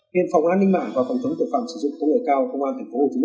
hiện phòng an ninh mạng và phòng chống tội phạm sử dụng của người cao công an tp hcm